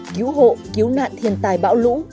cứu hộ cứu nạn thiên tài bão lũ